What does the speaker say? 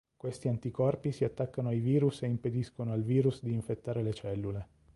Questi anticorpi si attaccano ai virus e impediscono al virus di infettare le cellule.